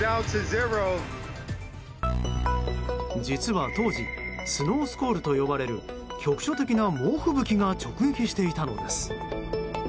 実は、当時スノースコールと呼ばれる局所的な猛吹雪が直撃していたのです。